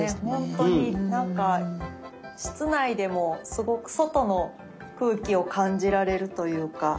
ほんとになんか室内でもすごく外の空気を感じられるというか。